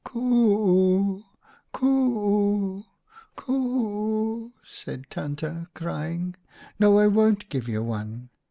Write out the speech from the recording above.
"' Coo 00, coo 00, coo 00/ said Tante, crying, 'no, I won't give you one.'